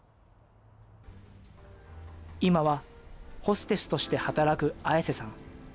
今はホステスとして働く絢瀬さん。